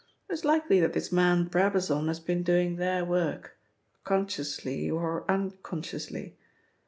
It is likely that this man Brabazon has been doing their work, consciously or unconsciously.